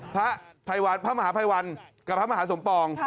พระมหาภัยวันกับพระมหาสมปอง